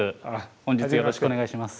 本日よろしくお願いします。